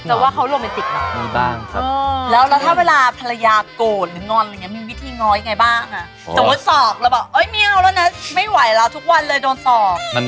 แล้วแล้วถ้าเวลาภรรยากดหรืองอได้ยัง